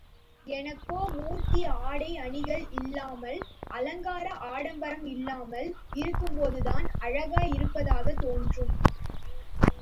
எனக்கோ மூர்த்தி ஆடை அணிகள் இல்லாமல், அலங்கார ஆடம்பரம் இல்லாமல் இருக்கும்போதுதான் அழகாய் இருப்பதாகத் தோன்றும்.